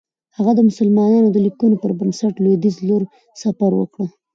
هغه د مسلمانانو د لیکنو پر بنسټ لویدیځ پر لور سفر وکړ.